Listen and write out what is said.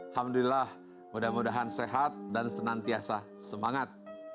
alhamdulillah mudah mudahan sehat dan senantiasa semangat